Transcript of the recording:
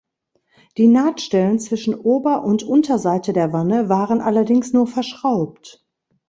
Die Nahtstellen zwischen Ober- und Unterseite der Wanne waren allerdings nur verschraubt.